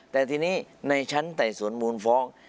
แต่ทีนี้ในชั้นไต่สวนมูลฟ้อง